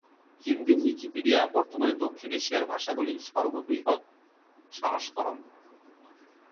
Hindi Wikipedia বর্তমানে দক্ষিণ এশিয়ার ভাষাগুলির সর্ববৃহৎ সংস্করণ।